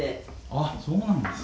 「あっそうなんですね」